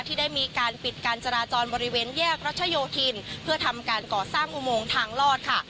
ที่ได้มีการปิดการจราจรบริเวณแยกรัชโยธินเพื่อทำการก่อสร้างอุโมงทางลอดค่ะ